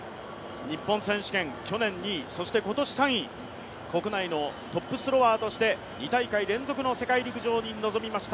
日本選手権、去年２位、そして今年３位国内のトップスロワーとして、２大会連続の世界陸上に臨みました。